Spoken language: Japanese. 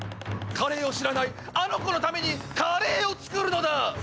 ［カレーを知らないあの子のためにカレーを作るのだ］